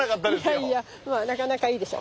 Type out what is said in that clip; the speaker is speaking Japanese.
いやいやまあなかなかいいでしょ？